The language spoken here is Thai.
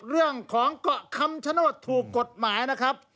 เรื่องของเกาะคำชโนธถูกกฎหมายนะครับ